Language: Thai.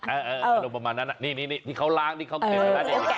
เออประมาณนั้นน่ะนี่นี่เขาล้างนี่เขาเกลือด้วยค่ะ